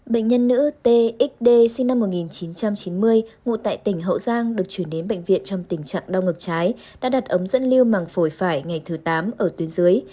bệnh nhân nữ tx sinh năm một nghìn chín trăm chín mươi ngụ tại tỉnh hậu giang được chuyển đến bệnh viện trong tình trạng đau ngực trái đã đặt ống dẫn lưu màng phổi phải ngày thứ tám ở tuyến dưới